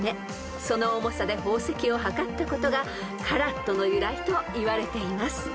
［その重さで宝石をはかったことがカラットの由来といわれています］